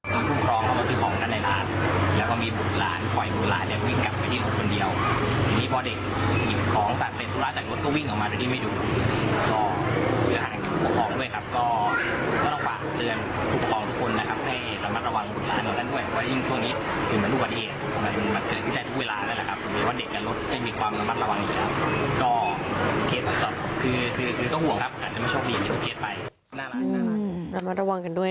ให้ระมัดระวังปรุธร้านต่างด้วย